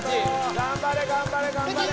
頑張れ頑張れ頑張れ！